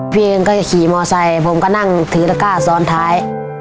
พี่เอิญก็ขี่มอเซอร์ไซค์ผมก็นั่งถือตะกร้าซ้อนท้าย